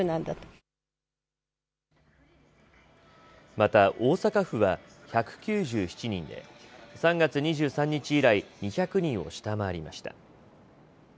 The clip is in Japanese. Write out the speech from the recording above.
また大阪府は１９７人で３月２３日以来、２００人を下回りました。